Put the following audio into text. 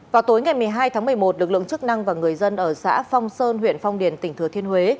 vào tối ngày một mươi hai tháng một mươi một lực lượng chức năng và người dân ở xã phong sơn huyện phong điền tỉnh thừa thiên huế